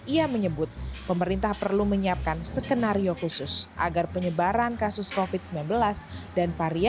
ia menyebut pemerintah perlu menyiapkan skenario khusus agar penyebaran kasus covid sembilan belas